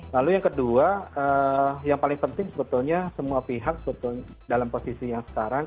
lalu yang kedua yang paling penting sebetulnya semua pihak dalam posisi yang sekarang